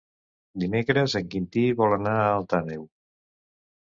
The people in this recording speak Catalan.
Dimecres en Quintí vol anar a Alt Àneu.